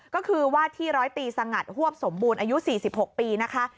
ก็คือว่าที่ร้อยตีสงัดฮวบสมบูรณ์อายุ๔๖ปีนะคะ